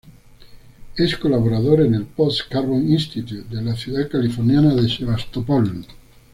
Es colaborador en el "Post Carbon Institute" de la ciudad californiana de Sebastopol.